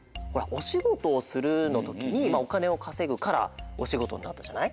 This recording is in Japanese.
「おしごとをする」のときにおかねをかせぐからおしごとになったじゃない。